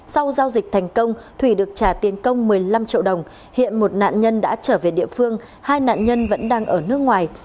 sau giao dịch thành công thủy được trả tiền công một mươi năm triệu đồng hiện một nạn nhân đã trở về địa phương hai nạn nhân vẫn đang ở nước ngoài